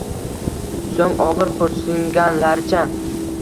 So`ng og`ir xo`rsinganlaricha